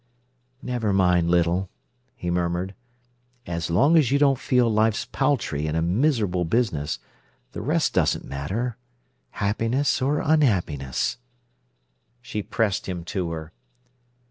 "Never mind, Little," he murmured. "So long as you don't feel life's paltry and a miserable business, the rest doesn't matter, happiness or unhappiness." She pressed him to her.